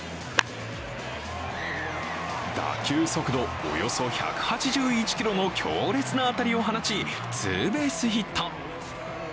打球速度およそ１８１キロの強烈な当たりを放ち、ツーベースヒット。